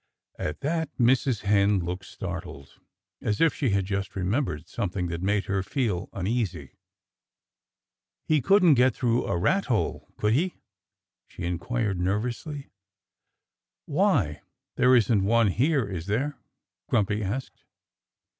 At that Mrs. Hen looked startled, as if she had just remembered something that made her feel uneasy. "He couldn't get through a rat hole, could he?" she inquired nervously. "Why there isn't one here, is there?" Grumpy asked.